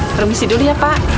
permisi dulu ya pak